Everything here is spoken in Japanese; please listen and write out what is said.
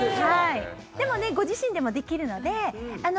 でも、ご自身でもできるので。